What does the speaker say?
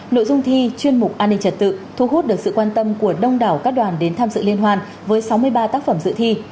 nội dung thi chuyên mục an ninh trật tự thu hút được sự quan tâm của đông đảo các đoàn đến tham dự liên hoan với sáu mươi ba tác phẩm dự thi